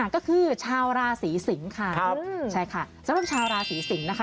ก็คือชาวราศีสิงค่ะ